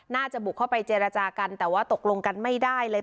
บุกเข้าไปเจรจากันแต่ว่าตกลงกันไม่ได้เลย